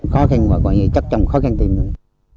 khó khăn coi như chắc trong khó khăn tìm rồi